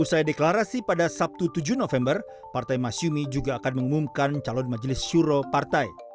usai deklarasi pada sabtu tujuh november partai masyumi juga akan mengumumkan calon majelis syuro partai